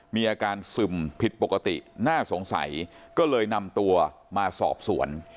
มีอาการซึมผิดปกติน่าสงสัยก็เลยนำตัวมาสอบสวน